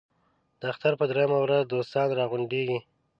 د اختر په درېیمه ورځ دوستان را غونډېږي.